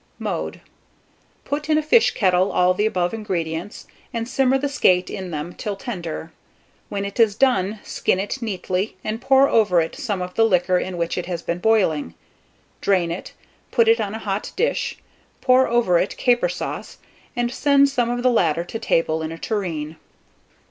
Mode. Put in a fish kettle all the above ingredients, and simmer the skate in them till tender. When it is done, skin it neatly, and pour over it some of the liquor in which it has been boiling. Drain it, put it on a hot dish, pour over it caper sauce, and send some of the latter to table in a tureen.